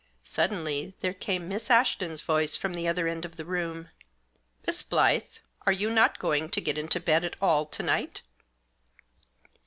Suddenly there came Miss Ashton's voice from the other end of the room. " Miss Blyth, are you not going to get into bed at all to night?"